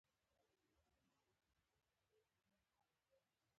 آیا افغانستان یورانیم لري؟